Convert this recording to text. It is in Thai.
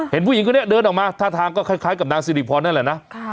เห็นผู้หญิงคนนี้เดินออกมาท่าทางก็คล้ายกับนางสิริพรนั่นแหละนะ